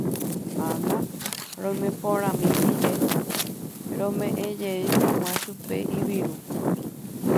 Ág̃a roimeporãmi rire rome'ẽjey hag̃ua chupe iviru.